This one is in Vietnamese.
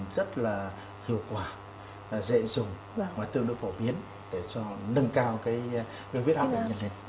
rất là hiệu quả dễ dùng và tương đương phổ biến để cho nâng cao cái viết áp và nhân hình